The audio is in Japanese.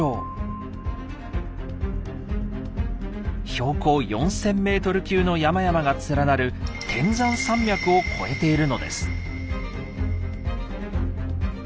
標高４，０００メートル級の山々が連なる天山山脈を越えているのです。